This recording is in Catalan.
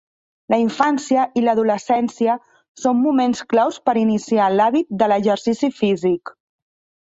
La infància i l'adolescència són moments claus per iniciar l'hàbit de l'exercici físic.